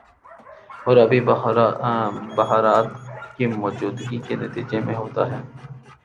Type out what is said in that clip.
اور آبی بخارات کی موجودگی کے نتیجے میں ہوتا ہے